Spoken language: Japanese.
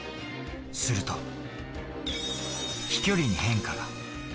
すると飛距離に変化が。